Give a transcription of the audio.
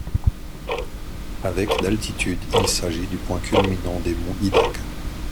Avec d'altitude, il s'agit du point culminant des monts Hidaka.